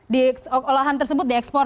di olahan tersebut di ekspor